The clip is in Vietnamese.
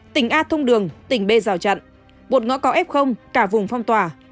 tỉnh a thông đường tỉnh b rào chặn bột ngõ cao ép không cả vùng phong tỏa